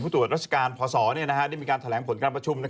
ตรวจราชการพศได้มีการแถลงผลการประชุม